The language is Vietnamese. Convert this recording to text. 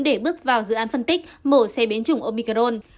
để bước vào dự án phân tích mổ xe biến chủng omicron